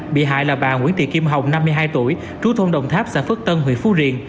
bị hại là bà nguyễn tị kim hồng năm mươi hai tuổi trú thôn đồng tháp xã phước tân huyện phú riềng